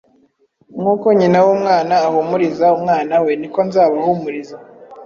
Nk’uko nyina w’umwana ahumuriza umwana we, ni ko nzabahumuriza